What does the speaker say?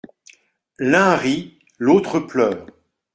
L’un rit, l’autre pleure.